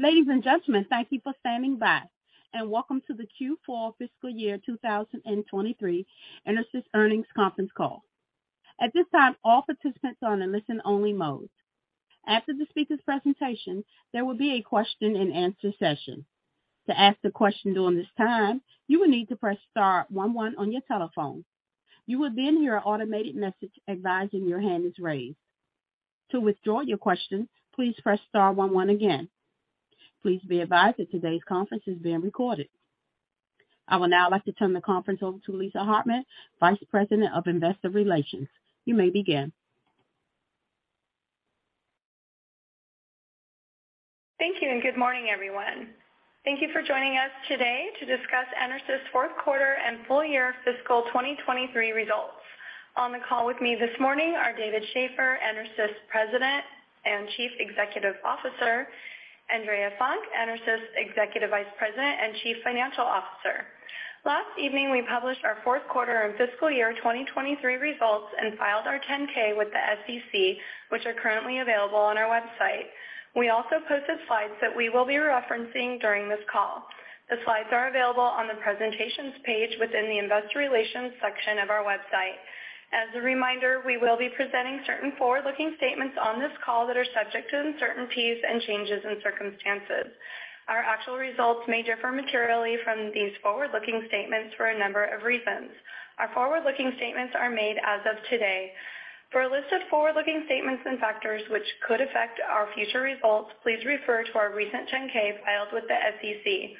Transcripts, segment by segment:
Ladies and gentlemen, thank you for standing by, welcome to the Q4 fiscal year 2023 EnerSys Earnings Conference Call. At this time, all participants are on a listen-only mode. After the speaker's presentation, there will be a question-and-answer session. To ask a question during this time, you will need to press star one one on your telephone. You will hear an automated message advising your hand is raised. To withdraw your question, please press star one one again. Please be advised that today's conference is being recorded. I would now like to turn the conference over to Lisa Hartman, Vice President of Investor Relations. You may begin. Thank you. Good morning, everyone. Thank you for joining us today to discuss EnerSys' fourth quarter and full year fiscal 2023 results. On the call with me this morning are David M. Shaffer, EnerSys President and Chief Executive Officer, Andrea Funk, EnerSys Executive Vice President and Chief Financial Officer. Last evening, we published our fourth quarter and fiscal year 2023 results and filed our 10-K with the SEC, which are currently available on our website. We also posted Slides that we will be referencing during this call. The Slides are available on the Presentations page within the Investor Relations section of our website. As a reminder, we will be presenting certain forward-looking statements on this call that are subject to uncertainties and changes in circumstances. Our actual results may differ materially from these forward-looking statements for a number of reasons. Our forward-looking statements are made as of today. For a list of forward-looking statements and factors which could affect our future results, please refer to our recent Form 10-K filed with the SEC.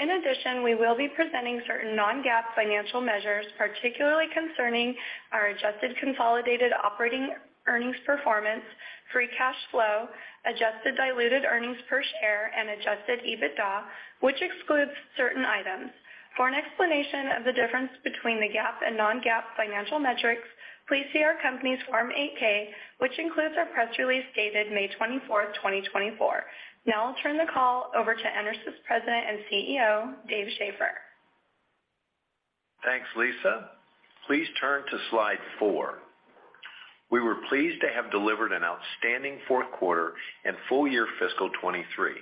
In addition, we will be presenting certain non-GAAP financial measures, particularly concerning our adjusted consolidated operating earnings performance, free cash flow, Adjusted diluted earnings per share, and Adjusted EBITDA, which excludes certain items. For an explanation of the difference between the GAAP and non-GAAP financial metrics, please see our company's Form 8-K, which includes our press release dated May 24th, 2024. Now I'll turn the call over to EnerSys President and CEO, Dave Shaffer. Thanks, Lisa. Please turn to Slide 4. We were pleased to have delivered an outstanding fourth quarter and full year fiscal 23.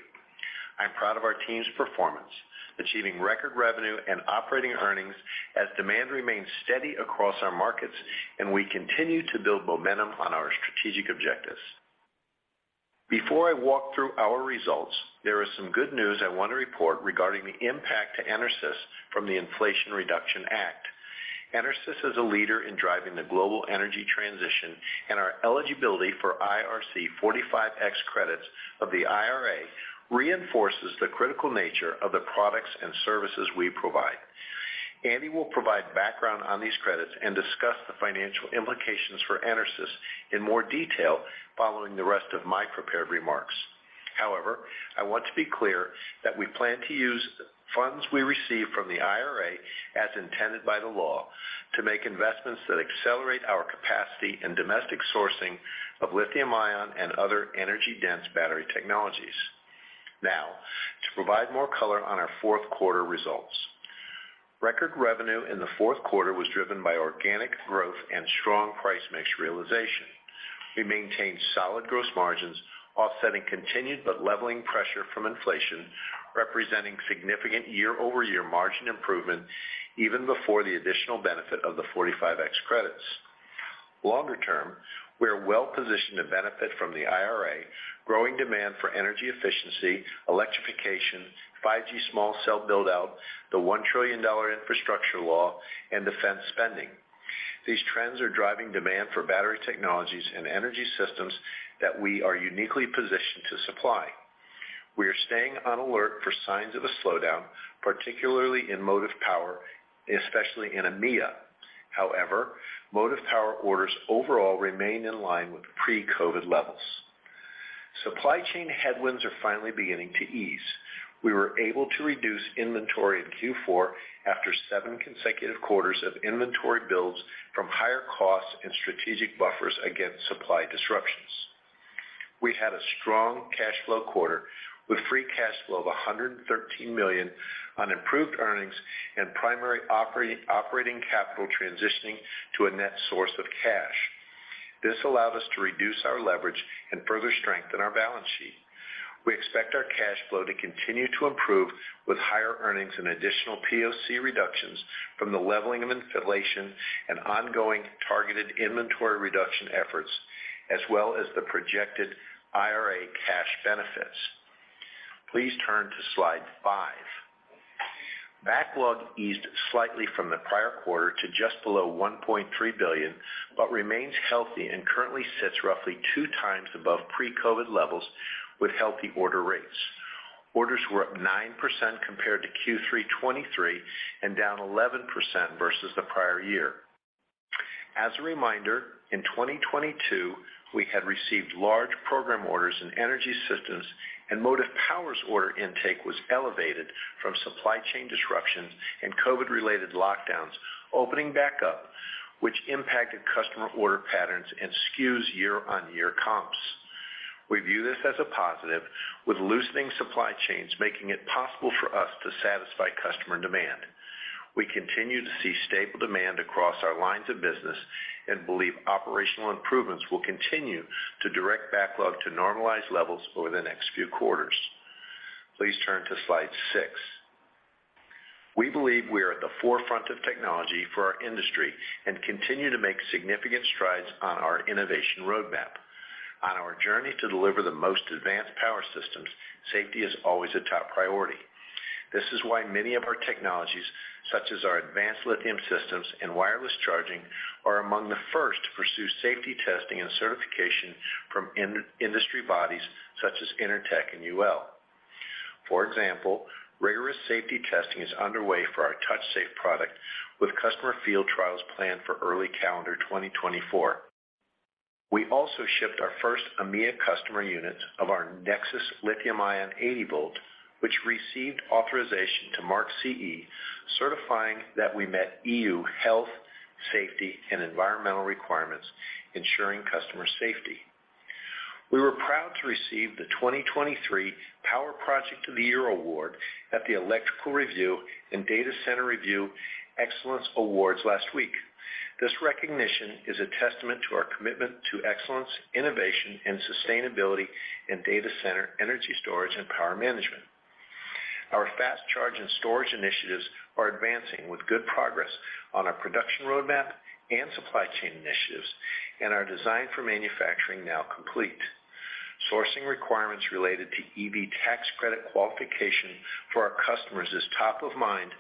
I'm proud of our team's performance, achieving record revenue and operating earnings as demand remains steady across our markets, and we continue to build momentum on our strategic objectives. Before I walk through our results, there is some good news I want to report regarding the impact to EnerSys from the Inflation Reduction Act. EnerSys is a leader in driving the global energy transition, and our eligibility for IRC 45X credits of the IRA reinforces the critical nature of the products and services we provide. Andy will provide background on these credits and discuss the financial implications for EnerSys in more detail following the rest of my prepared remarks. I want to be clear that we plan to use funds we receive from the IRA as intended by the law, to make investments that accelerate our capacity and domestic sourcing of lithium-ion and other energy-dense battery technologies. To provide more color on our fourth quarter results. Record revenue in the fourth quarter was driven by organic growth and strong price mix realization. We maintained solid gross margins, offsetting continued but leveling pressure from inflation, representing significant year-over-year margin improvement even before the additional benefit of the 45X credits. Longer term, we are well positioned to benefit from the IRA, growing demand for energy efficiency, electrification, 5G small cell build-out, the $1 trillion infrastructure law, and defense spending. These trends are driving demand for battery technologies and energy systems that we are uniquely positioned to supply. We are staying on alert for signs of a slowdown, particularly in motive power, especially in EMEA. Motive power orders overall remain in line with pre-COVID levels. Supply chain headwinds are finally beginning to ease. We were able to reduce inventory in Q4 after seven consecutive quarters of inventory builds from higher costs and strategic buffers against supply disruptions. We had a strong cash flow quarter with free cash flow of $113 million on improved earnings and primary operating capital transitioning to a net source of cash. This allowed us to reduce our leverage and further strengthen our balance sheet. We expect our cash flow to continue to improve with higher earnings and additional POC reductions from the leveling of inflation and ongoing targeted inventory reduction efforts, as well as the projected IRA cash benefits. Please turn to Slide 5. Backlog eased slightly from the prior quarter to just below $1.3 billion, but remains healthy and currently sits roughly 2 times above pre-COVID levels with healthy order rates. Orders were up 9% compared to Q3 2023 and down 11% versus the prior year. As a reminder, in 2022, we had received large program orders in energy systems, and motive powers order intake was elevated from supply chain disruptions and COVID-related lockdowns, opening back up, which impacted customer order patterns and SKUs year-on-year comps. We view this as a positive, with loosening supply chains making it possible for us to satisfy customer demand. We continue to see stable demand across our lines of business and believe operational improvements will continue to direct backlog to normalized levels over the next few quarters. Please turn to Slide 6. We believe we are at the forefront of technology for our industry and continue to make significant strides on our innovation roadmap. On our journey to deliver the most advanced power systems, safety is always a top priority. This is why many of our technologies, such as our advanced lithium systems and wireless charging, are among the first to pursue safety testing and certification from industry bodies such as Intertek and UL. For example, rigorous safety testing is underway for our TouchSafe product, with customer field trials planned for early calendar 2024. We also shipped our first EMEA customer units of our NexSys iON 80 volt, which received authorization to mark CE, certifying that we met EU health, safety, and environmental requirements, ensuring customer safety. We were proud to receive the 2023 Power Project of the Year award at the Electrical Review and Data Centre Review Excellence Awards last week. This recognition is a testament to our commitment to excellence, innovation, and sustainability in data center, energy storage, and power management. Our fast charge and storage initiatives are advancing with good progress on our production roadmap and supply chain initiatives, and our design for manufacturing now complete. Sourcing requirements related to EV tax credit qualification for our customers is top of mind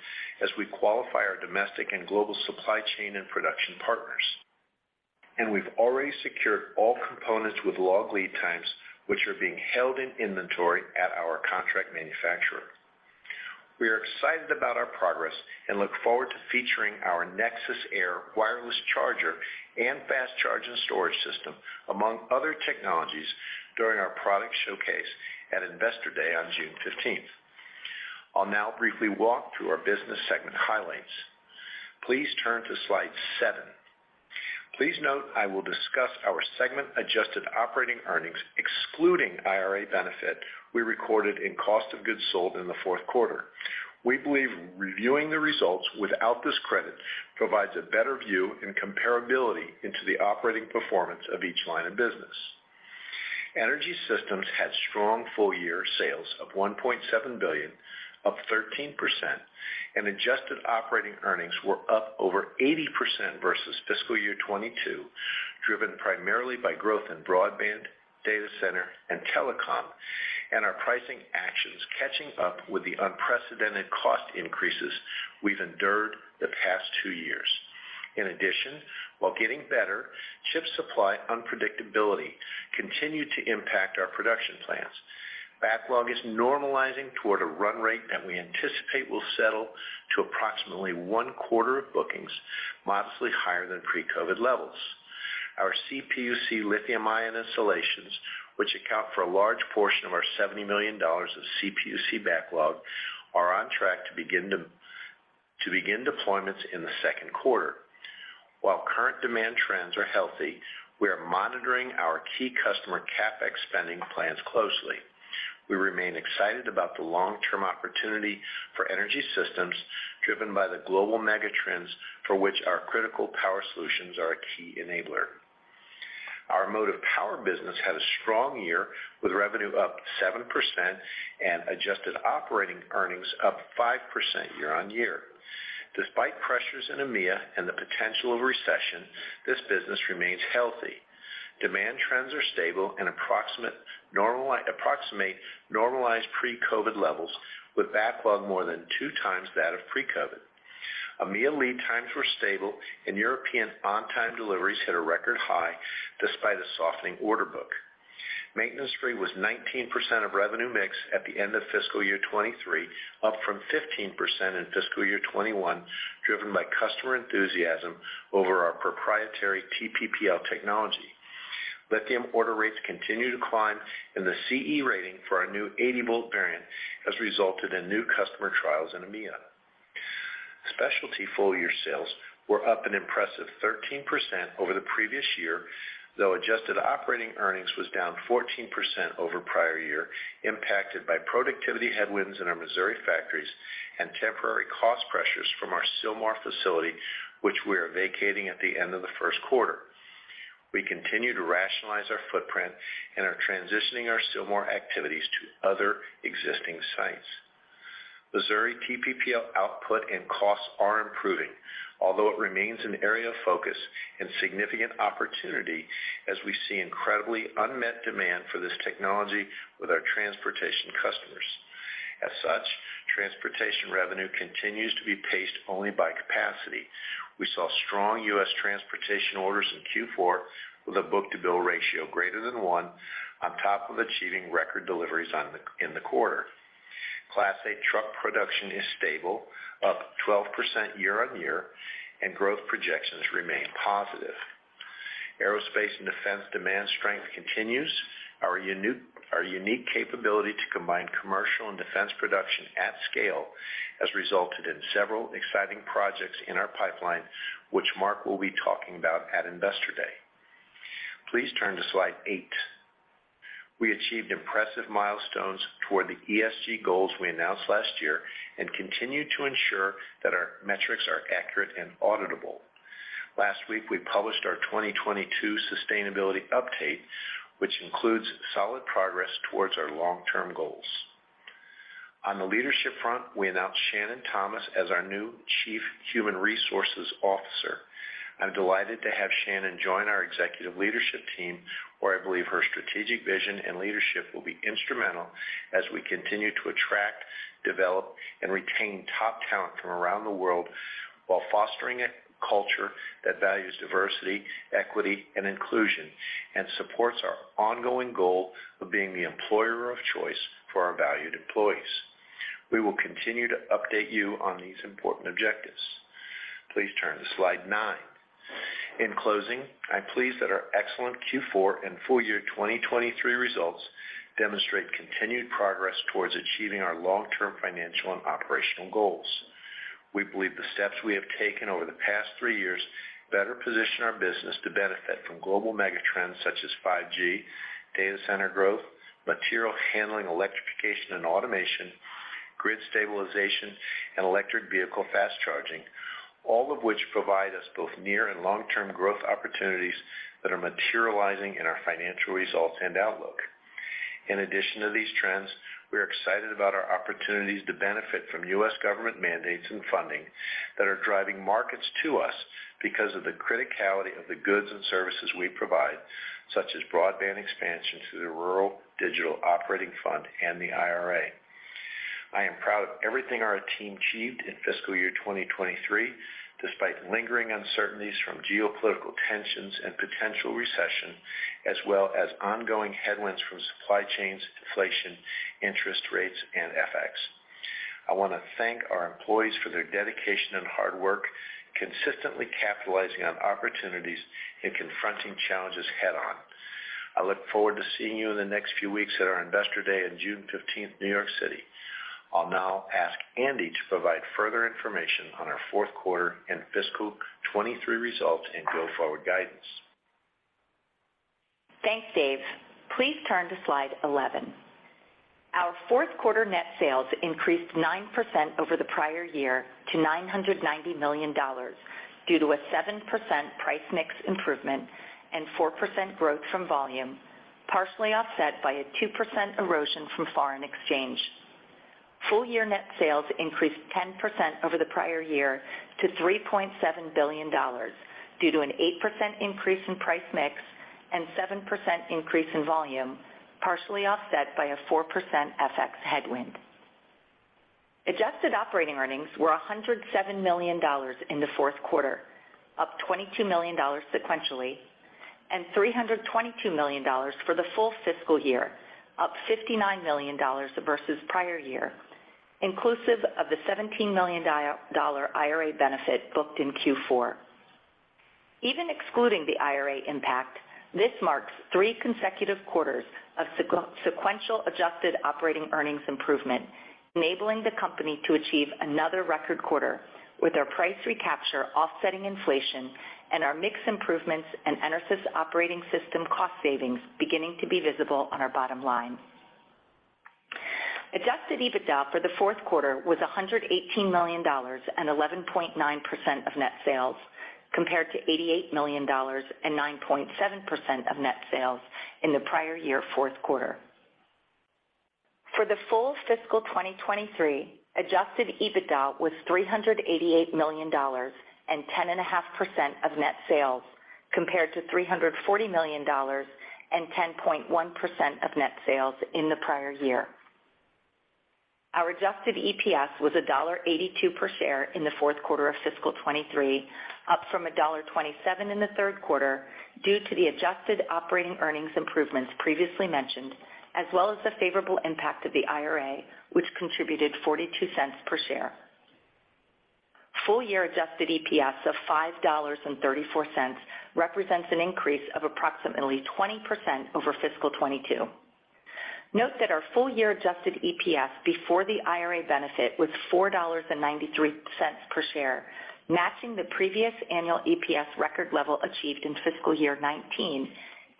as we qualify our domestic and global supply chain and production partners. We've already secured all components with long lead times, which are being held in inventory at our contract manufacturer. We are excited about our progress and look forward to featuring our NexSys AIR wireless charger and fast charge and storage system, among other technologies, during our product showcase at Investor Day on June 15th. I'll now briefly walk through our business segment highlights. Please turn to Slide 7. Please note, I will discuss our segment adjusted operating earnings, excluding IRA benefit we recorded in cost of goods sold in the fourth quarter. We believe reviewing the results without this credit provides a better view and comparability into the operating performance of each line of business. EnerSys had strong full-year sales of $1.7 billion, up 13%, and adjusted operating earnings were up over 80% versus fiscal year 2022, driven primarily by growth in broadband, data center, and telecom, and our pricing actions catching up with the unprecedented cost increases we've endured the past two years. While getting better, chip supply unpredictability continued to impact our production plans. Backlog is normalizing toward a run rate that we anticipate will settle to approximately one quarter of bookings, modestly higher than pre-COVID levels. Our CPUC lithium ion installations, which account for a large portion of our $70 million of CPUC backlog, are on track to begin deployments in the second quarter. While current demand trends are healthy, we are monitoring our key customer CapEx spending plans closely. We remain excited about the long-term opportunity for EnerSys, driven by the global megatrends for which our critical power solutions are a key enabler. Our motive power business had a strong year, with revenue up 7% and adjusted operating earnings up 5% year-on-year. Despite pressures in EMEA and the potential of a recession, this business remains healthy. Demand trends are stable and approximate normalized pre-COVID levels, with backlog more than two times that of pre-COVID. EMEA lead times were stable, and European on-time deliveries hit a record high despite a softening order book. Maintenance free was 19% of revenue mix at the end of fiscal year 23, up from 15% in fiscal year 21, driven by customer enthusiasm over our proprietary TPPL technology. Lithium order rates continue to climb, and the CE rating for our new 80-volt variant has resulted in new customer trials in EMEA. Specialty full-year sales were up an impressive 13% over the previous year, though adjusted operating earnings was down 14% over prior year, impacted by productivity headwinds in our Missouri factories and temporary cost pressures from our Sylmar facility, which we are vacating at the end of the first quarter. We continue to rationalize our footprint and are transitioning our Sylmar activities to other existing sites. Missouri TPPL output and costs are improving, although it remains an area of focus and significant opportunity as we see incredibly unmet demand for this technology with our transportation customers. As such, transportation revenue continues to be paced only by capacity. We saw strong U.S. transportation orders in Q4, with a book-to-bill ratio greater than 1, in the quarter. Class 8 truck production is stable, up 12% year-on-year. Growth projections remain positive. Aerospace and defense demand strength continues. Our unique capability to combine commercial and defense production at scale has resulted in several exciting projects in our pipeline, which Mark will be talking about at Investor Day. Please turn to Slide 8. We achieved impressive milestones toward the ESG goals we announced last year and continued to ensure that our metrics are accurate and auditable. Last week, we published our 2022 sustainability update, which includes solid progress towards our long-term goals. On the leadership front, we announced Shannon Thomas as our new Chief Human Resources Officer. I'm delighted to have Shannon join our executive leadership team, where I believe her strategic vision and leadership will be instrumental as we continue to attract, develop, and retain top talent from around the world, while fostering a culture that values diversity, equity, and inclusion, and supports our ongoing goal of being the employer of choice for our valued employees. We will continue to update you on these important objectives. Please turn to Slide 9. In closing, I'm pleased that our excellent Q4 and full year 2023 results demonstrate continued progress towards achieving our long-term financial and operational goals. We believe the steps we have taken over the past three years better position our business to benefit from global mega trends such as 5G, data center growth, material handling, electrification and automation, grid stabilization, and electric vehicle fast charging, all of which provide us both near and long-term growth opportunities that are materializing in our financial results and outlook. In addition to these trends, we are excited about our opportunities to benefit from U.S. government mandates and funding that are driving markets to us because of the criticality of the goods and services we provide, such as broadband expansion through the Rural Digital Opportunity Fund and the IRA. I am proud of everything our team achieved in fiscal year 2023, despite lingering uncertainties from geopolitical tensions and potential recession, as well as ongoing headwinds from supply chains, inflation, interest rates, and FX. I want to thank our employees for their dedication and hard work, consistently capitalizing on opportunities and confronting challenges head-on. I look forward to seeing you in the next few weeks at our Investor Day on June 15th, New York City. I'll now ask Andy to provide further information on our fourth quarter and fiscal 2023 results and go-forward guidance. Thanks, Dave. Please turn to Slide 11. Our fourth quarter net sales increased 9% over the prior year to $990 million, due to a 7% price mix improvement and 4% growth from volume, partially offset by a 2% erosion from foreign exchange. Full-year net sales increased 10% over the prior year to $3.7 billion, due to an 8% increase in price mix and 7% increase in volume, partially offset by a 4% FX headwind. Adjusted operating earnings were $107 million in the fourth quarter, up $22 million sequentially, and $322 million for the full fiscal year, up $59 million versus prior year, inclusive of the $17 million IRA benefit booked in Q4. Even excluding the IRA impact, this marks 3 consecutive quarters of sequential Adjusted operating earnings improvement, enabling the company to achieve another record quarter with our price recapture offsetting inflation and our mix improvements and EnerSys Operating System cost savings beginning to be visible on our bottom line. Adjusted EBITDA for the fourth quarter was $118 million and 11.9% of net sales, compared to $88 million and 9.7% of net sales in the prior year fourth quarter. For the full fiscal 2023, Adjusted EBITDA was $388 million and 10.5% of net sales, compared to $340 million and 10.1% of net sales in the prior year. Our Adjusted EPS was $1.82 per share in the fourth quarter of fiscal 2023, up from $1.27 in the third quarter, due to the adjusted operating earnings improvements previously mentioned, as well as the favorable impact of the IRA, which contributed $0.42 per share. Full-year Adjusted EPS of $5.34 represents an increase of approximately 20% over fiscal 2022. Note that our full-year Adjusted EPS before the IRA benefit was $4.93 per share, matching the previous annual EPS record level achieved in fiscal year 2019,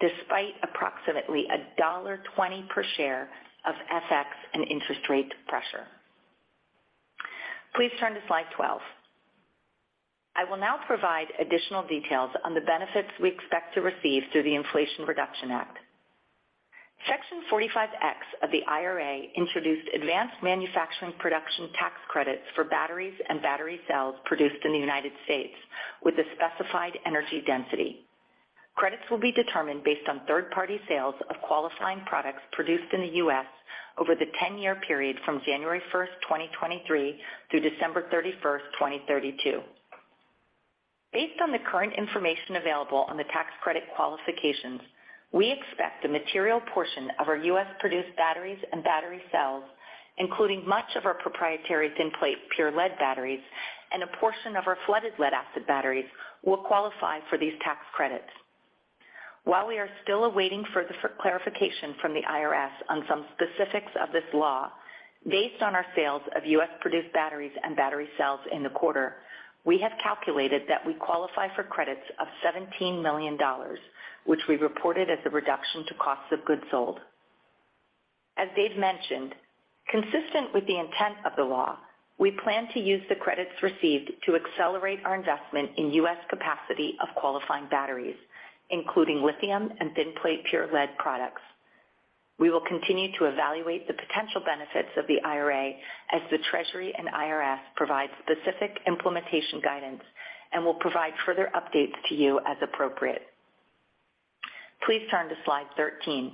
despite approximately $1.20 per share of FX and interest rate pressure. Please turn to Slide 12. I will now provide additional details on the benefits we expect to receive through the Inflation Reduction Act. Section 45X of the IRA introduced advanced manufacturing production tax credits for batteries and battery cells produced in the United States with a specified energy density. Credits will be determined based on third-party sales of qualifying products produced in the U.S. over the 10-year period from January 1, 2023, through December 31, 2032. Based on the current information available on the tax credit qualifications, we expect a material portion of our U.S.-produced batteries and battery cells, including much of our proprietary Thin Plate Pure Lead batteries and a portion of our flooded lead-acid batteries, will qualify for these tax credits. While we are still awaiting further clarification from the IRS on some specifics of this law, based on our sales of U.S.-produced batteries and battery cells in the quarter, we have calculated that we qualify for credits of $17 million, which we reported as a reduction to cost of goods sold. As Dave mentioned, consistent with the intent of the law, we plan to use the credits received to accelerate our investment in U.S. capacity of qualifying batteries, including lithium and Thin Plate Pure Lead products. We will continue to evaluate the potential benefits of the IRA as the Treasury and IRS provide specific implementation guidance and will provide further updates to you as appropriate. Please turn to Slide 13.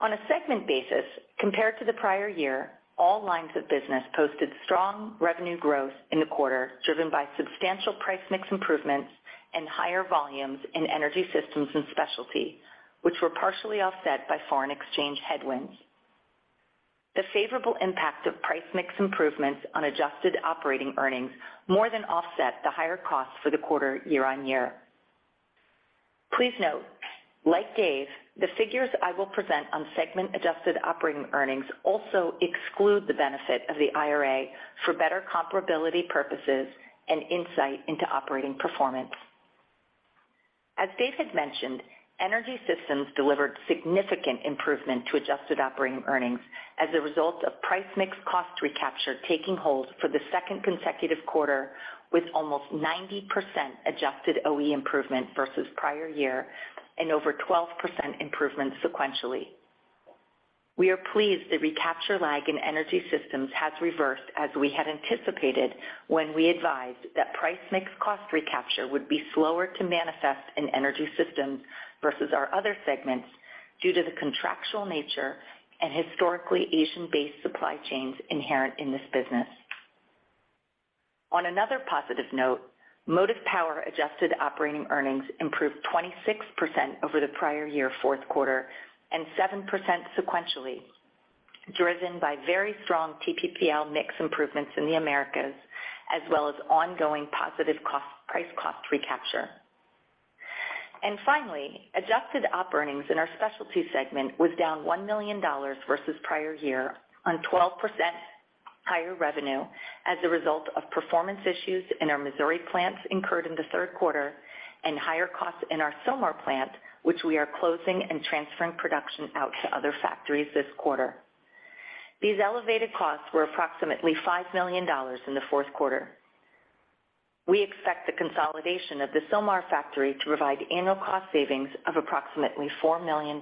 On a segment basis, compared to the prior year, all lines of business posted strong revenue growth in the quarter, driven by substantial price mix improvements and higher volumes in Energy Systems and Specialty, which were partially offset by foreign exchange headwinds. The favorable impact of price mix improvements on adjusted operating earnings more than offset the higher costs for the quarter year-on-year. Please note, like Dave, the figures I will present on segment adjusted operating earnings also exclude the benefit of the IRA for better comparability purposes and insight into operating performance. As David mentioned, Energy Systems delivered significant improvement to adjusted operating earnings as a result of price mix cost recapture taking hold for the second consecutive quarter, with almost 90% adjusted OE improvement versus prior year and over 12% improvement sequentially. We are pleased the recapture lag in EnerSys has reversed, as we had anticipated when we advised that price mix cost recapture would be slower to manifest in EnerSys versus our other segments, due to the contractual nature and historically Asian-based supply chains inherent in this business. Another positive note, motive power adjusted operating earnings improved 26% over the prior year fourth quarter and 7% sequentially, driven by very strong TPPL mix improvements in the Americas, as well as ongoing positive price cost recapture. Finally, adjusted op earnings in our specialty segment was down $1 million versus prior year on 12% higher revenue as a result of performance issues in our Missouri plants incurred in the third quarter and higher costs in our Sylmar plant, which we are closing and transferring production out to other factories this quarter. These elevated costs were approximately $5 million in the fourth quarter. We expect the consolidation of the Sylmar factory to provide annual cost savings of approximately $4 million.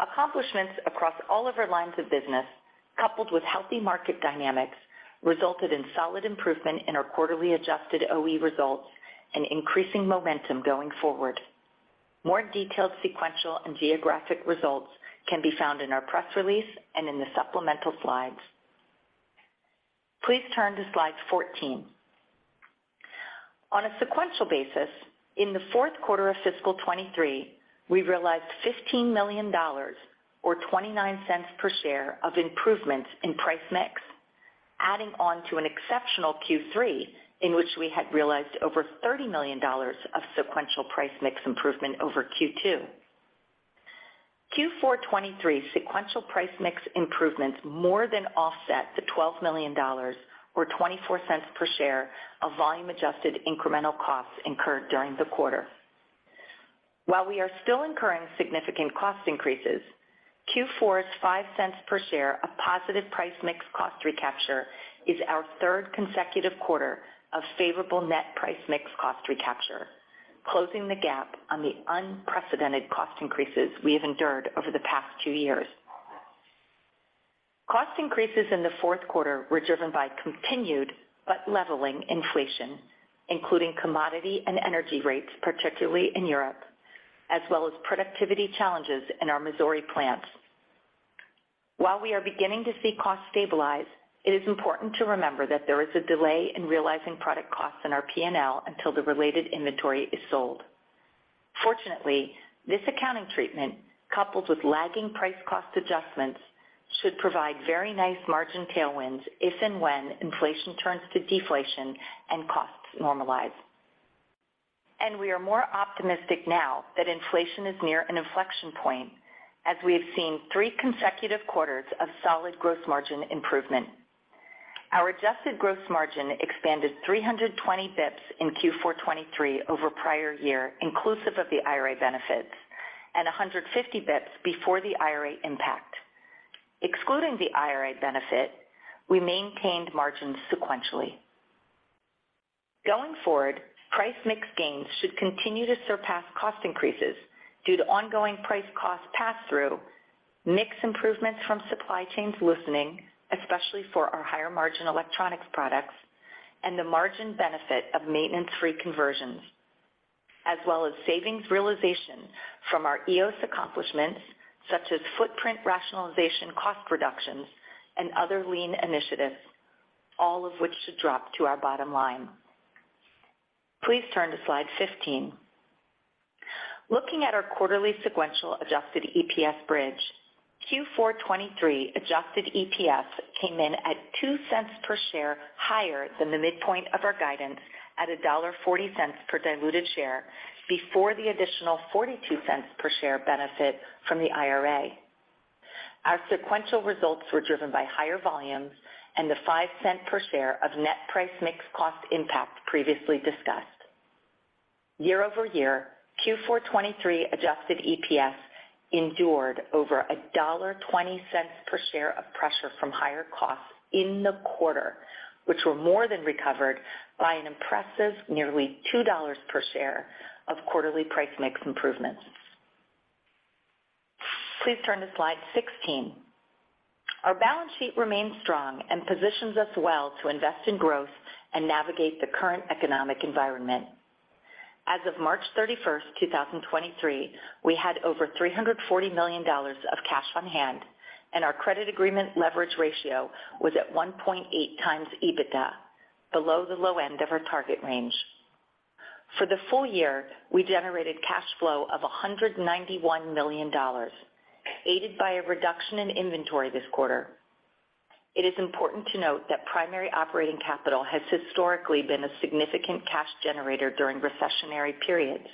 Accomplishments across all of our lines of business, coupled with healthy market dynamics, resulted in solid improvement in our quarterly adjusted OE results and increasing momentum going forward. More detailed sequential and geographic results can be found in our press release and in the supplemental slides. Please turn to Slide 14. On a sequential basis, in the fourth quarter of fiscal 2023, we realized $15 million or $0.29 per share of improvements in price mix, adding on to an exceptional Q3, in which we had realized over $30 million of sequential price mix improvement over Q2. Q4 2023 sequential price mix improvements more than offset the $12 million, or $0.24 per share, of volume-adjusted incremental costs incurred during the quarter. While we are still incurring significant cost increases, Q4's $0.05 per share of positive price mix cost recapture is our third consecutive quarter of favorable net price mix cost recapture, closing the gap on the unprecedented cost increases we have endured over the past 2 years. Cost increases in the fourth quarter were driven by continued but leveling inflation, including commodity and energy rates, particularly in Europe, as well as productivity challenges in our Missouri plants. While we are beginning to see costs stabilize, it is important to remember that there is a delay in realizing product costs in our P&L until the related inventory is sold. Fortunately, this accounting treatment, coupled with lagging price cost adjustments, should provide very nice margin tailwinds if and when inflation turns to deflation and costs normalize. We are more optimistic now that inflation is near an inflection point, as we have seen three consecutive quarters of solid gross margin improvement. Our adjusted gross margin expanded 320 basis points in Q4 2023 over prior year, inclusive of the IRA benefits, and 150 basis points before the IRA impact. Excluding the IRA benefit, we maintained margins sequentially. Going forward, price mix gains should continue to surpass cost increases due to ongoing price cost pass-through, mix improvements from supply chains loosening, especially for our higher-margin electronics products, and the margin benefit of maintenance-free conversions, as well as savings realization from our EOS accomplishments, such as footprint rationalization, cost reductions, and other lean initiatives, all of which should drop to our bottom line. Please turn to Slide 15. Looking at our quarterly sequential Adjusted EPS bridge, Q4 '23 Adjusted EPS came in at $0.02 per share, higher than the midpoint of our guidance at $1.40 per diluted share before the additional $0.42 per share benefit from the IRA. Our sequential results were driven by higher volumes and the $0.05 per share of net price mix cost impact previously discussed. Year-over-year, Q4 '23 Adjusted EPS endured over $1.20 per share of pressure from higher costs in the quarter, which were more than recovered by an impressive nearly $2 per share of quarterly price mix improvements. Please turn to Slide 16. Our balance sheet remains strong and positions us well to invest in growth and navigate the current economic environment. As of March 31, 2023, we had over $340 million of cash on hand, and our credit agreement leverage ratio was at 1.8 times EBITDA, below the low end of our target range. For the full year, we generated cash flow of $191 million, aided by a reduction in inventory this quarter. It is important to note that primary operating capital has historically been a significant cash generator during recessionary periods,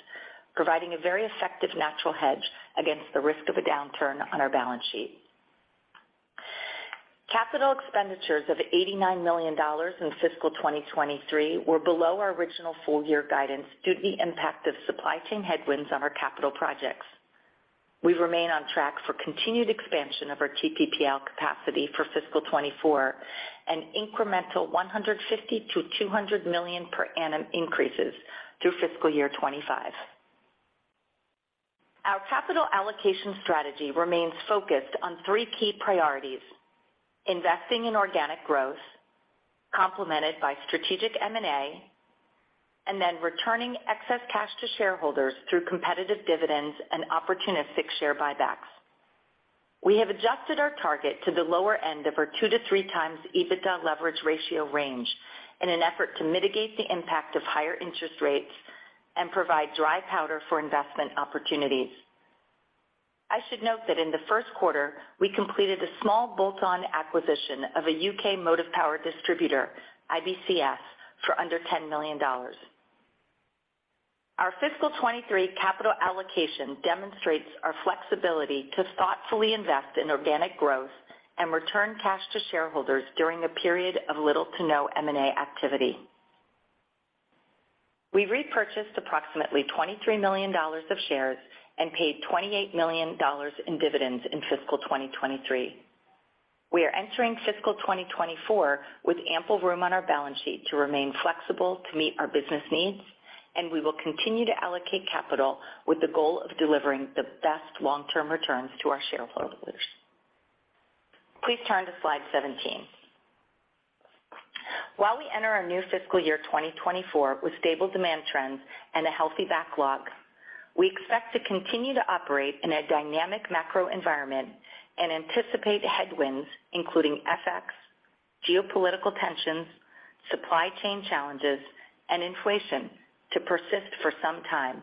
providing a very effective natural hedge against the risk of a downturn on our balance sheet. Capital expenditures of $89 million in fiscal 2023 were below our original full year guidance due to the impact of supply chain headwinds on our capital projects. We remain on track for continued expansion of our TPPL capacity for fiscal 2024 and incremental $150 million-$200 million per annum increases through fiscal year 2025. Our capital allocation strategy remains focused on three key priorities: investing in organic growth, complemented by strategic M&A, returning excess cash to shareholders through competitive dividends and opportunistic share buybacks. We have adjusted our target to the lower end of our 2-3 times EBITDA leverage ratio range in an effort to mitigate the impact of higher interest rates and provide dry powder for investment opportunities. I should note that in the first quarter, we completed a small bolt-on acquisition of a U.K. motive power distributor, IBCS, for under $10 million. Our fiscal 2023 capital allocation demonstrates our flexibility to thoughtfully invest in organic growth and return cash to shareholders during a period of little to no M&A activity. We repurchased approximately $23 million of shares and paid $28 million in dividends in fiscal 2023. We are entering fiscal 2024 with ample room on our balance sheet to remain flexible to meet our business needs, and we will continue to allocate capital with the goal of delivering the best long-term returns to our shareholders. Please turn to Slide 17. While we enter our new fiscal year 2024 with stable demand trends and a healthy backlog, we expect to continue to operate in a dynamic macro environment and anticipate headwinds, including FX, geopolitical tensions, supply chain challenges, and inflation to persist for some time.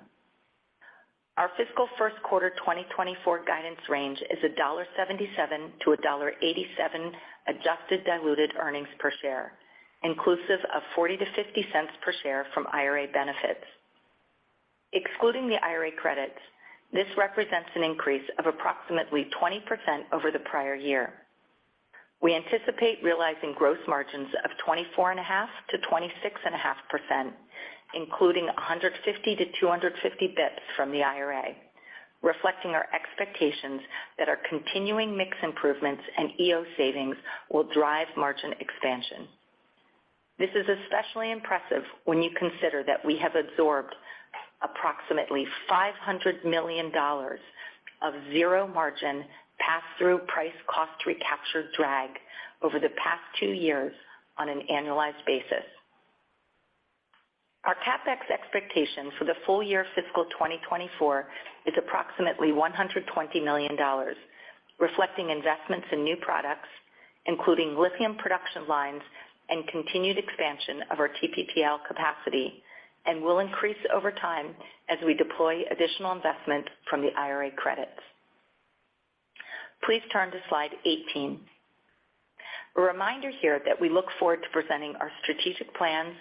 Our fiscal 1st quarter 2024 guidance range is $1.77-$1.87 Adjusted diluted earnings per share, inclusive of $0.40-$0.50 per share from IRA benefits. Excluding the IRA credits, this represents an increase of approximately 20% over the prior year. We anticipate realizing gross margins of 24.5%-26.5%, including 150-250 basis points from the IRA, reflecting our expectations that our continuing mix improvements and EOS savings will drive margin expansion. This is especially impressive when you consider that we have absorbed approximately $500 million of zero margin pass-through price cost recapture drag over the past two years on an annualized basis. Our CapEx expectation for the full year fiscal 2024 is approximately $120 million, reflecting investments in new products, including lithium production lines and continued expansion of our TPPL capacity, and will increase over time as we deploy additional investment from the IRA credits. Please turn to Slide 18. A reminder here that we look forward to presenting our strategic plans,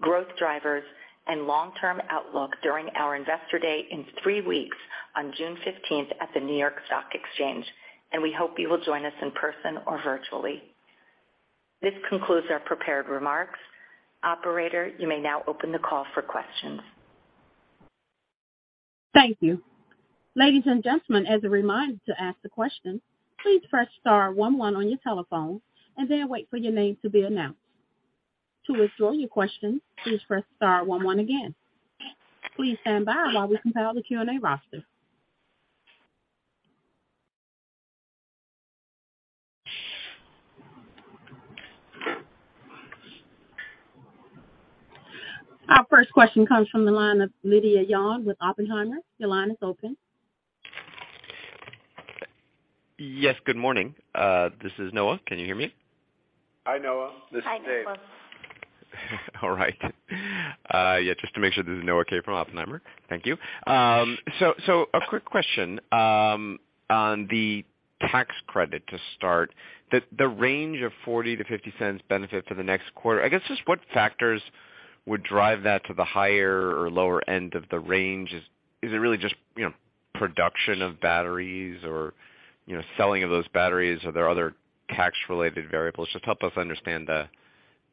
growth drivers, and long-term outlook during our Investor Day in three weeks on June 15th at the New York Stock Exchange, and we hope you will join us in person or virtually. This concludes our prepared remarks. Operator, you may now open the call for questions. Thank you. Ladies and gentlemen, as a reminder to ask the question, please press star one on your telephone and then wait for your name to be announced. To withdraw your question, please press star one again. Please stand by while we compile the Q&A roster. Our first question comes from the line of Noah Kaye with Oppenheimer. Your line is open. Yes, good morning. This is Noah. Can you hear me? Hi, Noah. This is Dave. Hi, Noah. All right. Yeah, just to make sure, this is Noah Kaye from Oppenheimer. Thank you. A quick question on the tax credit to start. The range of $0.40-$0.50 benefit for the next quarter, I guess, just what factors would drive that to the higher or lower end of the range? Is it really just, you know, production of batteries or, you know, selling of those batteries? Are there other tax-related variables? Just help us understand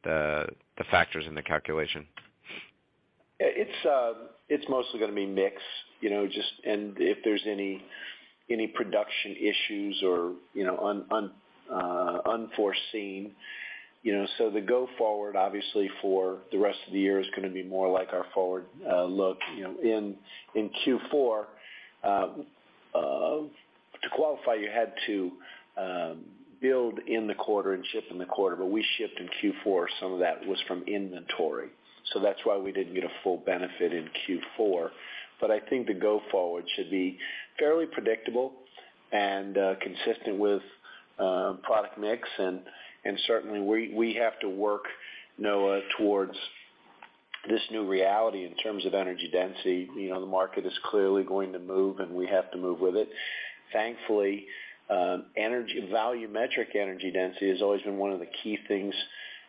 the factors in the calculation. It's mostly gonna be mix, you know, and if there's any production issues or, you know, unforeseen, you know. The go forward, obviously, for the rest of the year is gonna be more like our forward look, you know. In Q4, to qualify, you had to build in the quarter and ship in the quarter, but we shipped in Q4, some of that was from inventory, so that's why we didn't get a full benefit in Q4. I think the go forward should be fairly predictable and consistent with product mix. Certainly, we have to work, Noah, towards this new reality in terms of energy density. You know, the market is clearly going to move, and we have to move with it. Thankfully, volumetric energy density has always been one of the key things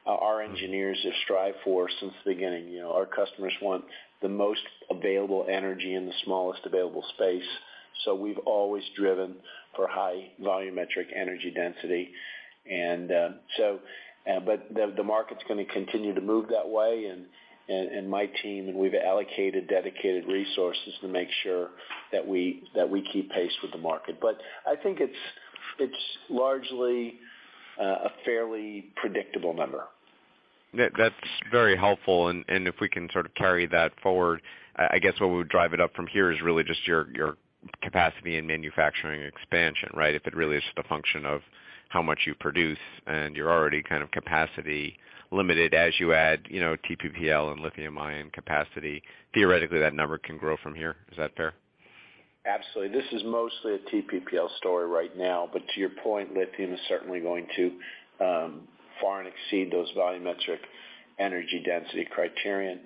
our engineers have strived for since the beginning. You know, our customers want the most available energy in the smallest available space, so we've always driven for high volumetric energy density. The market's gonna continue to move that way, and my team, and we've allocated dedicated resources to make sure that we keep pace with the market. I think it's largely a fairly predictable number. That's very helpful. If we can sort of carry that forward, I guess, what would drive it up from here is really just your capacity and manufacturing expansion, right? If it really is the function of how much you produce, and you're already kind of capacity limited as you add, you know, TPPL and lithium-ion capacity, theoretically, that number can grow from here. Is that fair? Absolutely. This is mostly a TPPL story right now, but to your point, lithium is certainly going to far and exceed those volumetric energy density criterion.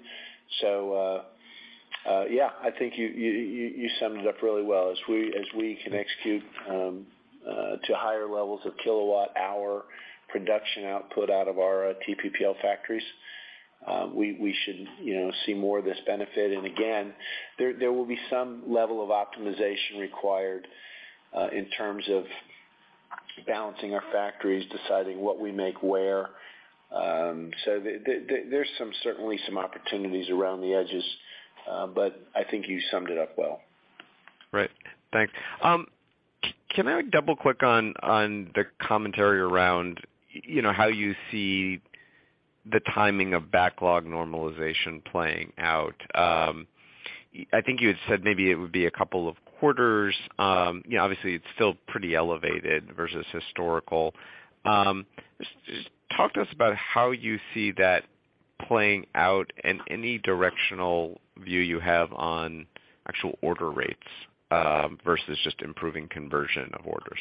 Yeah, I think you summed it up really well. As we can execute to higher levels of kilowatt hour production output out of our TPPL factories, we should, you know, see more of this benefit. Again, there will be some level of optimization required in terms of balancing our factories, deciding what we make where, so there's some, certainly some opportunities around the edges, I think you summed it up well. Right. Thanks. Can I double-click on the commentary around, you know, how you see the timing of backlog normalization playing out? I think you had said maybe it would be a couple of quarters. You know, obviously, it's still pretty elevated versus historical. Just talk to us about how you see that playing out and any directional view you have on actual order rates, versus just improving conversion of orders.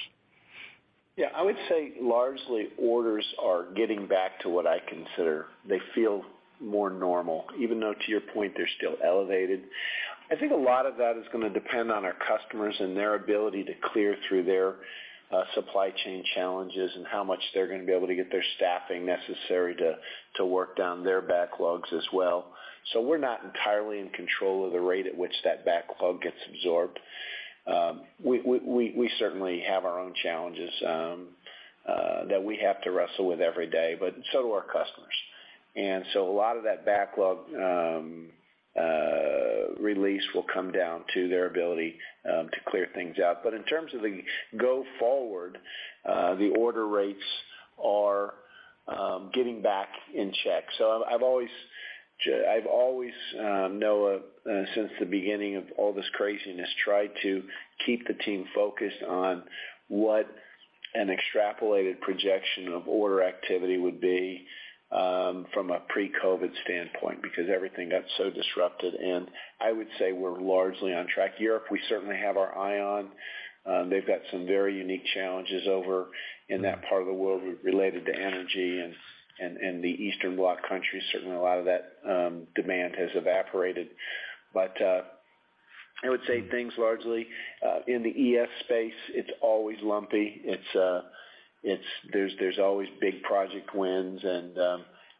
I would say largely, orders are getting back to what I consider they feel more normal, even though, to your point, they're still elevated. I think a lot of that is gonna depend on our customers and their ability to clear through their supply chain challenges, and how much they're gonna be able to get their staffing necessary to work down their backlogs as well. We're not entirely in control of the rate at which that backlog gets absorbed. We certainly have our own challenges that we have to wrestle with every day, but so do our customers. A lot of that backlog release will come down to their ability to clear things out. In terms of the go forward, the order rates are getting back in check. I've always, Noah, since the beginning of all this craziness, tried to keep the team focused on what an extrapolated projection of order activity would be from a pre-COVID standpoint, because everything got so disrupted. I would say we're largely on track. Europe, we certainly have our eye on. They've got some very unique challenges over in that part of the world related to energy and the Eastern European countries. Certainly, a lot of that demand has evaporated. I would say things largely in the ES space, it's always lumpy. It's there's always big project wins, and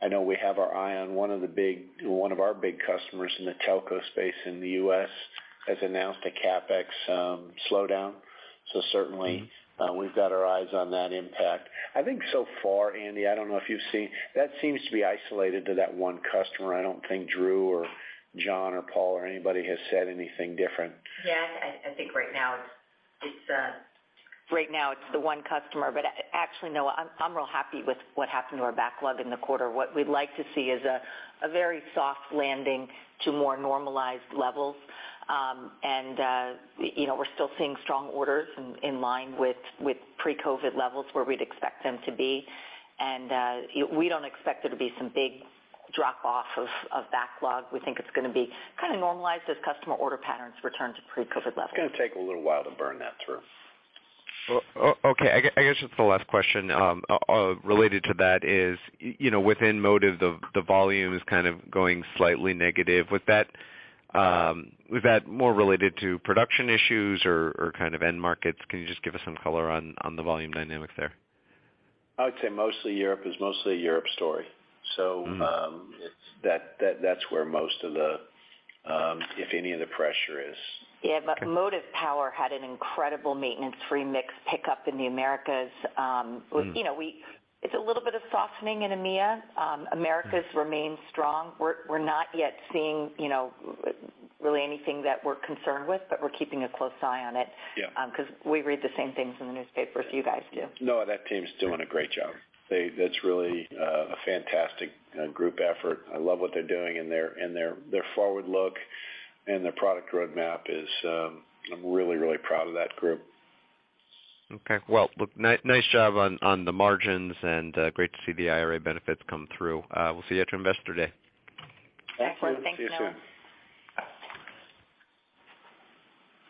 I know we have our eye on one of our big customers in the telco space in the U.S. has announced a CapEx slowdown. Certainly, we've got our eyes on that impact. I think so far, Andy, I don't know if you've seen, that seems to be isolated to that one customer. I don't think Drew Zogby or John or Paul or anybody has said anything different. Yeah, I think right now it's right now it's the one customer. Actually, Noah, I'm real happy with what happened to our backlog in the quarter. What we'd like to see is a very soft landing to more normalized levels. You know, we're still seeing strong orders in line with pre-COVID levels, where we'd expect them to be. We don't expect there to be some big drop off of backlog. We think it's gonna be kind of normalized as customer order patterns return to pre-COVID levels. It's gonna take a little while to burn that through. Well, okay, I guess just the last question, related to that is, you know, within motive, the volume is kind of going slightly negative. Was that more related to production issues or kind of end markets? Can you just give us some color on the volume dynamics there? I would say mostly Europe, it's mostly a Europe story. It's that's where most of the, if any, of the pressure is. Motive Power had an incredible maintenance-free mix pickup in the Americas. You know, it's a little bit of softening in EMEA. Americas remains strong. We're not yet seeing, you know, really anything that we're concerned with, but we're keeping a close eye on it. Yeah. because we read the same things in the newspaper as you guys do. That team's doing a great job. That's really a fantastic group effort. I love what they're doing, their forward look and their product roadmap is. I'm really, really proud of that group. Okay. Well, look, nice job on the margins, great to see the IRA benefits come through. We'll see you at your Investor Day. Thanks. Thanks, Noah.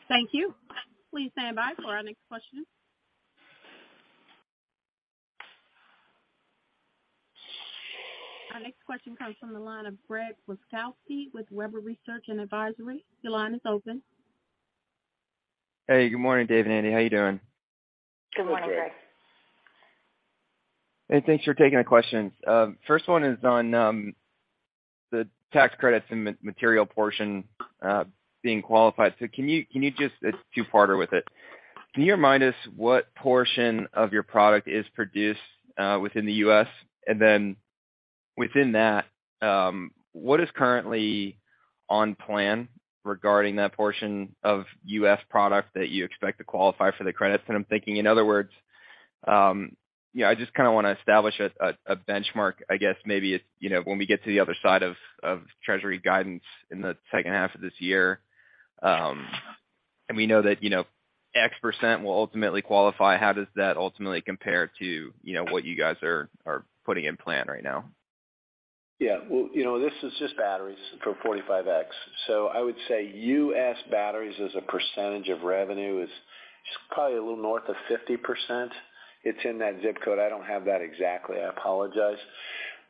Thank you. Please stand by for our next question. Our next question comes from the line of Gregory Wasikowski with Webber Research & Advisory. Your line is open. Hey, good morning, Dave and Andy. How are you doing? Good morning, Greg. Good morning. Hey, thanks for taking the questions. First one is on the tax credits and material portion being qualified. Can you just... It's a two-parter with it. Can you remind us what portion of your product is produced within the U.S.? Then within that, what is currently on plan regarding that portion of U.S. product that you expect to qualify for the credits? I'm thinking, in other words, you know, I just kinda wanna establish a benchmark, I guess, maybe it's, you know, when we get to the other side of Treasury guidance in the second half of this year, and we know that, you know, X% will ultimately qualify, how does that ultimately compare to, you know, what you guys are putting in plan right now? Yeah, well, you know, this is just batteries for Section 45X. I would say U.S. batteries, as a percentage of revenue, is just probably a little north of 50%. It's in that zip code. I don't have that exactly, I apologize.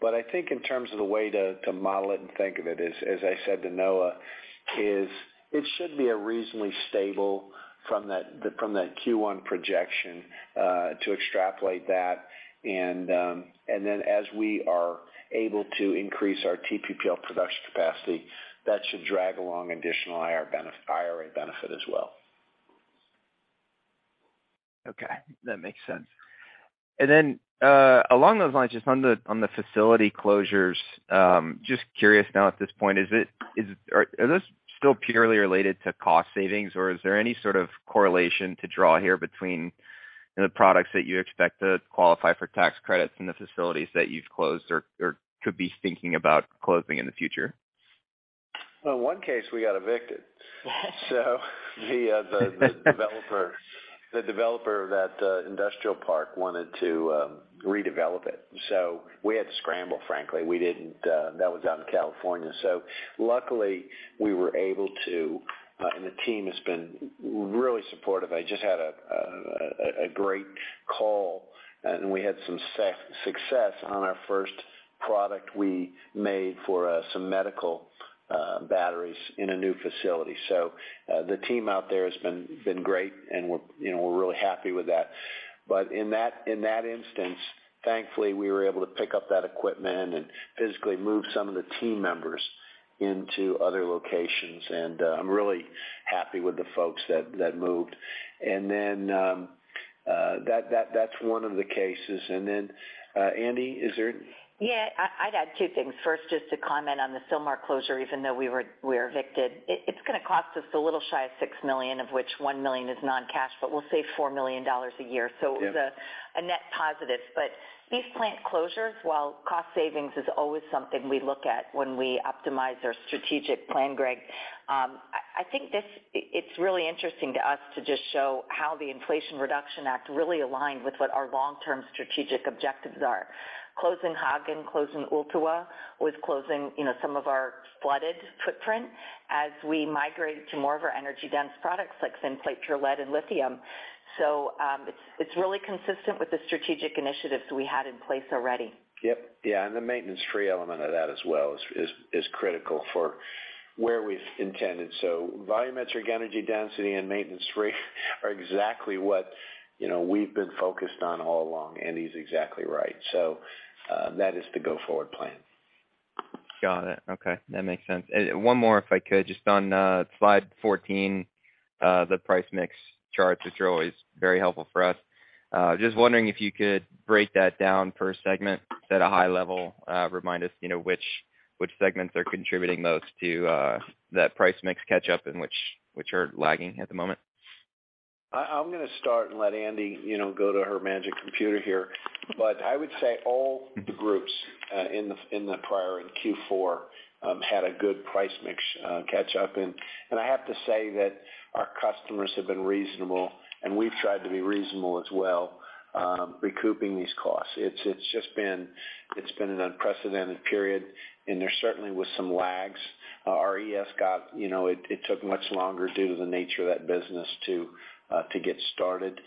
I think in terms of the way to model it and think of it, is, as I said to Noah, is it should be a reasonably stable from that Q1 projection to extrapolate that. As we are able to increase our TPPL production capacity, that should drag along additional IRA benefit as well. Okay, that makes sense. Along those lines, just on the facility closures, just curious now at this point, are those still purely related to cost savings, or is there any sort of correlation to draw here between the products that you expect to qualify for tax credits and the facilities that you've closed or could be thinking about closing in the future? In one case, we got evicted. The developer of that industrial park wanted to redevelop it. We had to scramble, frankly. We didn't. That was out in California. Luckily, we were able to, and the team has been really supportive. I just had a great call, and we had some success on our first product we made for some medical batteries in a new facility. The team out there has been great, and we're, you know, we're really happy with that. In that instance, thankfully, we were able to pick up that equipment and physically move some of the team members into other locations, and I'm really happy with the folks that moved. That's one of the cases. Andy, is there? I'd add two things. First, just to comment on the Sylmar closure, even though we were evicted. It's gonna cost us a little shy of $6 million, of which $1 million is non-cash, we'll save $4 million a year. Yeah. It's a net positive. These plant closures, while cost savings, is always something we look at when we optimize our strategic plan, Greg. I think this, it's really interesting to us to just show how the Inflation Reduction Act really aligned with what our long-term strategic objectives are. Closing Hagen, closing Ooltewah, was closing, you know, some of our flooded footprint as we migrate to more of our energy-dense products like Thin Plate Pure Lead and lithium. It's really consistent with the strategic initiatives we had in place already. Yep. Yeah, the maintenance-free element of that as well is critical for where we've intended. Volumetric energy density and maintenance-free are exactly what, you know, we've been focused on all along. Andy's exactly right. That is the go-forward plan. Got it. Okay, that makes sense. One more, if I could, just on Slide 14, the price mix charts, which are always very helpful for us. Just wondering if you could break that down per segment at a high level, remind us, you know, which segments are contributing most to that price mix catch up and which are lagging at the moment. I'm gonna start and let Andy, you know, go to her magic computer here. I would say all the groups in the prior Q4 had a good price mix catch up. I have to say that our customers have been reasonable, and we've tried to be reasonable as well, recouping these costs. It's just been an unprecedented period, and there certainly were some lags. Our ES got, you know, it took much longer due to the nature of that business to get started.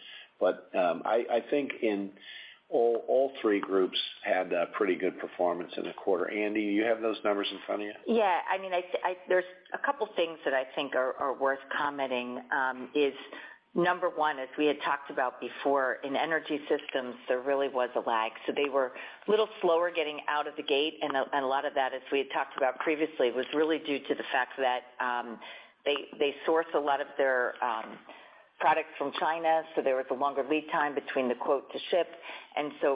I think in all three groups had a pretty good performance in the quarter. Andy, do you have those numbers in front of you? Yeah, I mean, I'd say, there's a couple things that I think are worth commenting. Number one, as we had talked about before, in EnerSys, there really was a lag. They were a little slower getting out of the gate, and a lot of that, as we had talked about previously, was really due to the fact that they source a lot of their products from China, so there was a longer lead time between the quote to ship.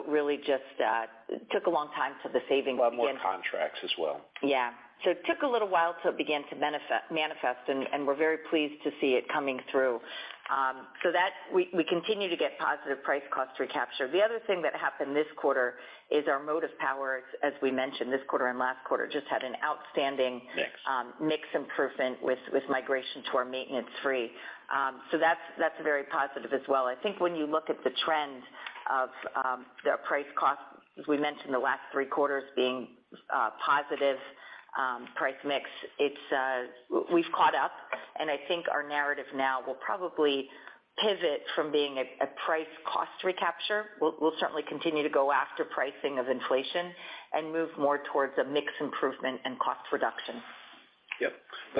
Really just took a long time for the savings to begin. A lot more contracts as well. Yeah. It took a little while till it began to manifest, and we're very pleased to see it coming through. That, we continue to get positive price cost recapture. The other thing that happened this quarter is our motive power, as we mentioned this quarter and last quarter, just had an outstanding- Yes mix improvement with migration to our maintenance-free. That's very positive as well. I think when you look at the trend of, the price cost, as we mentioned, the last three quarters being positive, price mix, it's, we've caught up, and I think our narrative now will probably pivot from being a price cost recapture. We'll certainly continue to go after pricing of inflation and move more towards a mix improvement and cost reduction. Yep.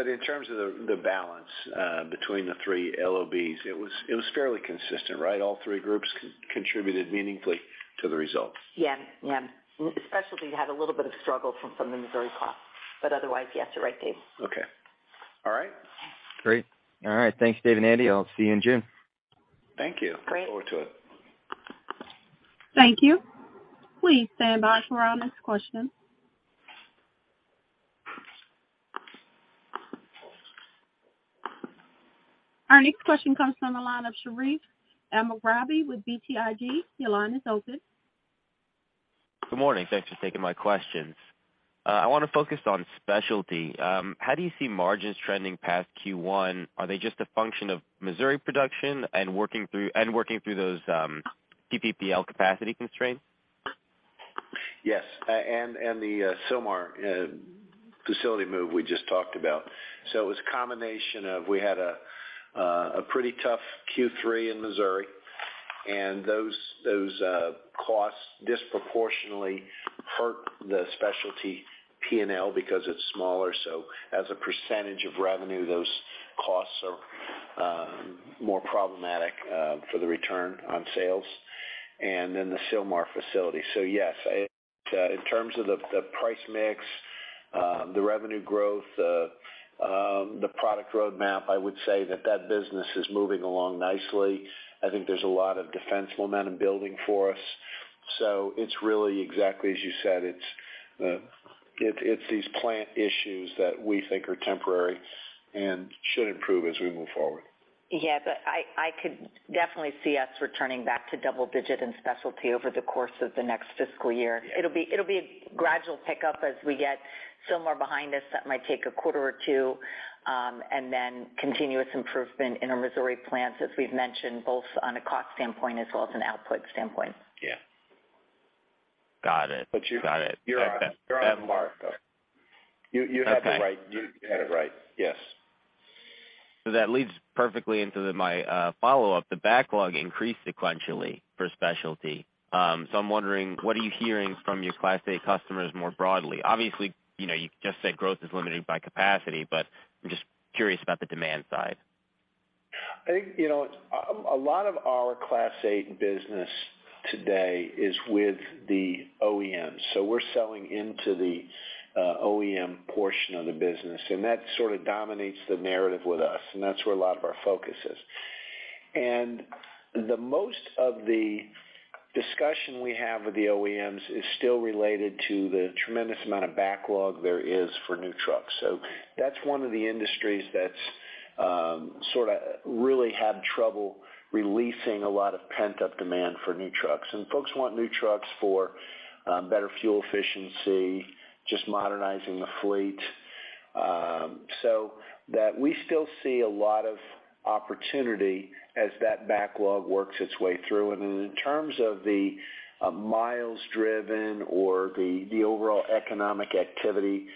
In terms of the balance, between the 3 LOBs, it was fairly consistent, right? All 3 groups contributed meaningfully to the results. Yeah, yeah. Specialty had a little bit of struggle from the Missouri cost, otherwise, yes, you're right, Dave. Okay. All right. Great. All right. Thanks, Dave and Andy. I'll see you in June. Thank you. Great. Look forward to it. Thank you. Please stand by for our next question. Our next question comes from the line of Sherif El-Sabbahy with BTIG. Your line is open. Good morning. Thanks for taking my questions. I wanna focus on specialty. How do you see margins trending past Q1? Are they just a function of Missouri production and working through those, TPPL capacity constraints? Yes, and the Sylmar facility move we just talked about. It was a combination of we had a pretty tough Q3 in Missouri, and those costs disproportionately hurt the specialty P&L because it's smaller. As a percentage of revenue, those costs are more problematic for the return on sales and then the Sylmar facility. Yes, in terms of the price mix, the revenue growth, the product roadmap, I would say that business is moving along nicely. I think there's a lot of defensible momentum building for us. It's really exactly as you said, it's these plant issues that we think are temporary and should improve as we move forward. I could definitely see us returning back to double-digit in specialty over the course of the next fiscal year. Yeah. It'll be a gradual pickup as we get Sylmar behind us. That might take a quarter or two, and then continuous improvement in our Missouri plants, as we've mentioned, both on a cost standpoint as well as an output standpoint. Yeah. Got it. You're on mark, though. Okay. You had it right. You had it right. Yes. That leads perfectly into the, my, follow-up. The backlog increased sequentially for specialty. I'm wondering, what are you hearing from your Class 8 customers more broadly? Obviously, you know, you just said growth is limited by capacity, I'm just curious about the demand side. I think, you know, a lot of our Class 8 business today is with the OEMs, so we're selling into the OEM portion of the business, and that sort of dominates the narrative with us, and that's where a lot of our focus is. The most of the discussion we have with the OEMs is still related to the tremendous amount of backlog there is for new trucks. That's one of the industries that's sort of really had trouble releasing a lot of pent-up demand for new trucks. Folks want new trucks for better fuel efficiency, just modernizing the fleet, so that we still see a lot of opportunity as that backlog works its way through. In terms of the miles driven or the overall economic activity,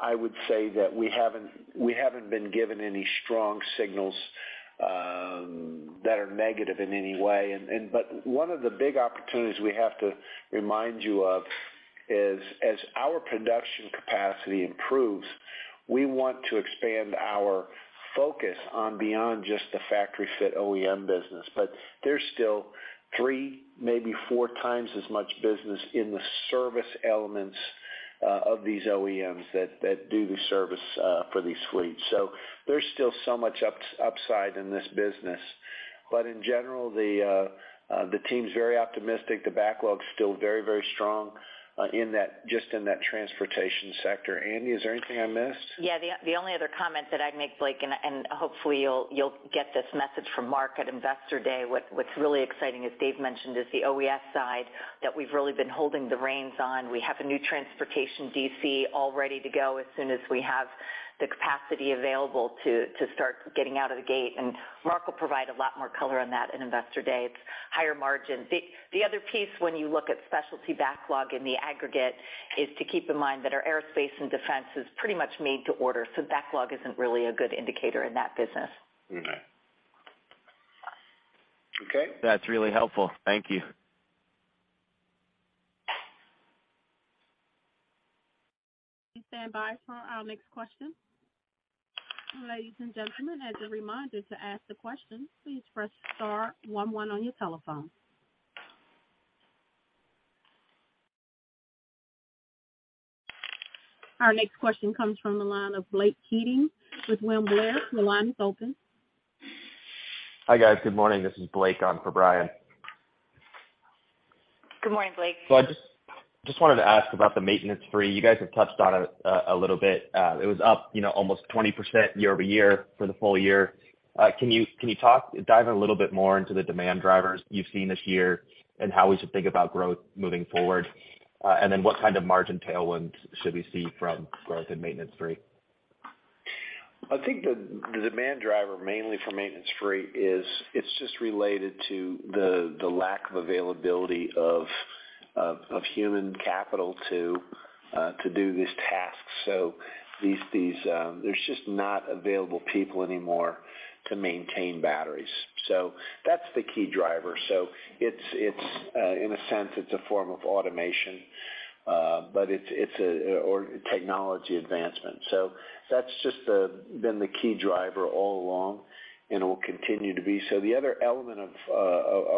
I would say that we haven't been given any strong signals that are negative in any way. One of the big opportunities we have to remind you of is, as our production capacity improves, we want to expand our focus on beyond just the factory fit OEM business. There's still 3, maybe 4 times as much business in the service elements of these OEMs that do the service for these fleets. There's still so much upside in this business. In general, the team's very optimistic. The backlog's still very strong just in that transportation sector. Andy, is there anything I missed? Yeah, the only other comment that I'd make, Blake, and hopefully you'll get this message from Mark at Investor Day. What's really exciting, as Dave mentioned, is the OES side that we've really been holding the reins on. We have a new transportation DC all ready to go as soon as we have the capacity available to start getting out of the gate. Mark will provide a lot more color on that in Investor Day. It's higher margin. The other piece, when you look at specialty backlog in the aggregate, is to keep in mind that our aerospace and defense is pretty much made to order. Backlog isn't really a good indicator in that business. Okay. That's really helpful. Thank you. Stand by for our next question. Ladies and gentlemen, as a reminder, to ask the question, please press star 1 1 on your telephone. Our next question comes from the line of Blake Keating with William Blair. Your line is open. Hi, guys. Good morning. This is Blake on for Brian. Good morning, Blake. I just wanted to ask about the maintenance-free. You guys have touched on it a little bit. It was up, you know, almost 20% year-over-year for the full year. Can you talk, dive in a little bit more into the demand drivers you've seen this year and how we should think about growth moving forward? What kind of margin tailwinds should we see from growth in maintenance-free? I think the demand driver, mainly for maintenance-free, is it's just related to the lack of availability of human capital to do these tasks. These There's just not available people anymore to maintain batteries. That's the key driver. It's in a sense, it's a form of automation, but it's technology advancement. That's just been the key driver all along and will continue to be. The other element of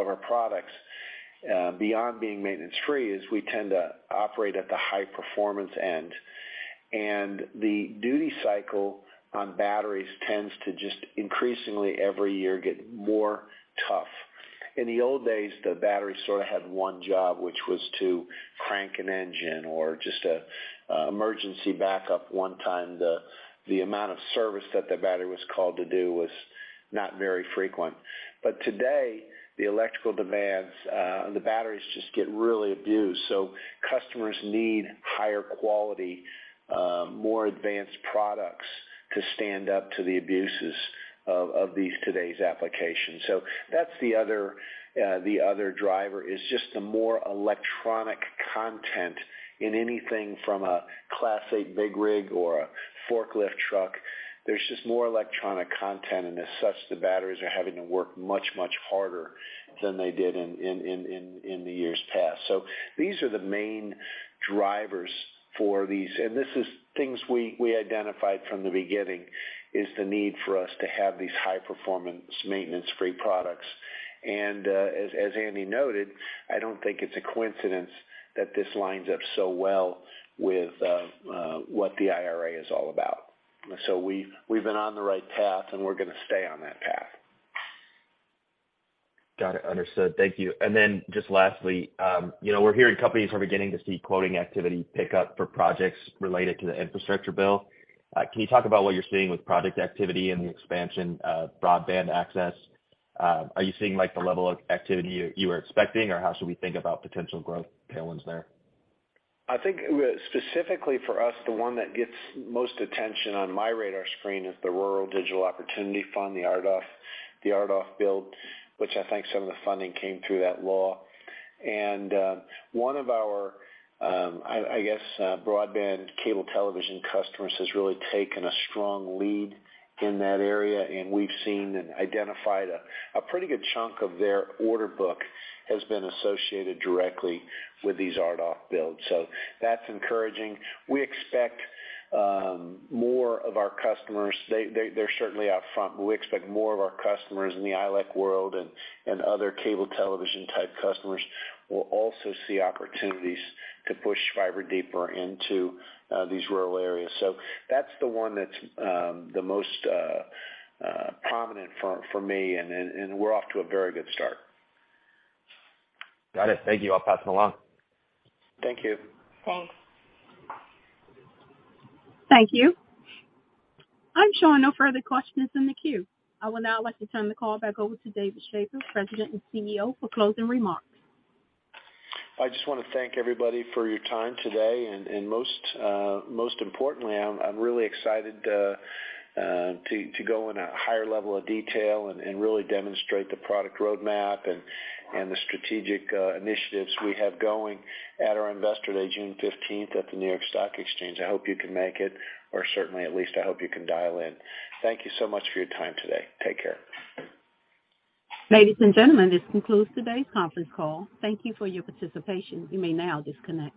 our products, beyond being maintenance-free, is we tend to operate at the high-performance end, and the duty cycle on batteries tends to just increasingly every year, get more tough. In the old days, the battery sort of had one job, which was to crank an engine or just a emergency backup. One time, the amount of service that the battery was called to do was not very frequent. Today, the electrical demands, the batteries just get really abused. Customers need higher quality, more advanced products to stand up to the abuses of these today's applications. That's the other, the other driver, is just the more electronic content in anything from a Class A big rig or a forklift truck. There's just more electronic content, and as such, the batteries are having to work much harder than they did in the years past. These are the main drivers for these, and this is things we identified from the beginning, is the need for us to have these high-performance, maintenance-free products. As Andy noted, I don't think it's a coincidence that this lines up so well with what the IRA is all about. We've been on the right path, and we're gonna stay on that path. Got it. Understood. Thank you. Just lastly, you know, we're hearing companies are beginning to see quoting activity pick up for projects related to the Infrastructure Bill. Can you talk about what you're seeing with project activity and the expansion of broadband access? Are you seeing, like, the level of activity you were expecting, or how should we think about potential growth tailwinds there? I think specifically for us, the one that gets most attention on my radar screen is the Rural Digital Opportunity Fund, the RDOF build, which I think some of the funding came through that law. One of our, I guess, broadband cable television customers, has really taken a strong lead in that area, and we've seen and identified a pretty good chunk of their order book has been associated directly with these RDOF builds. That's encouraging. We expect more of our customers. They're certainly out front, but we expect more of our customers in the ILEC world and other cable television-type customers will also see opportunities to push fiber deeper into these rural areas. That's the one that's the most prominent for me, and we're off to a very good start. Got it. Thank you. I'll pass it along. Thank you. Thanks. Thank you. I'm showing no further questions in the queue. I would now like to turn the call back over to David M. Shaffer, President and CEO, for closing remarks. I just want to thank everybody for your time today, and most importantly, I'm really excited to go in a higher level of detail and really demonstrate the product roadmap and the strategic initiatives we have going at our Investor Day, June 15th, at the New York Stock Exchange. I hope you can make it, or certainly at least I hope you can dial in. Thank you so much for your time today. Take care. Ladies and gentlemen, this concludes today's conference call. Thank you for your participation. You may now disconnect.